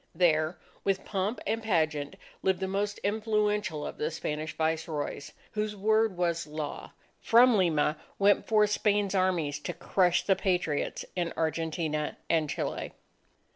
There, with pomp and pageant, lived the most influential of the Spanish Viceroys, whose word was law. From Lima went forth Spain's armies to crush the Patriots in Argentina and Chile.